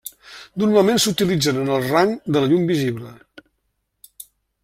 Normalment s'utilitzen en el rang de la llum visible.